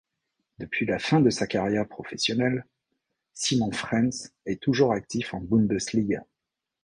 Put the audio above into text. Depuis la fin de sa carrière professionnelle, Simon Frenz est toujours actif en Bundesliga.